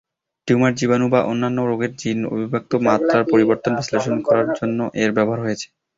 Tumour, জীবাণু বা অন্যান্য রোগের জিন অভিব্যক্তি মাত্রার পরিবর্তন বিশ্লেষণ করার জন্য এর ব্যবহার রয়েছে।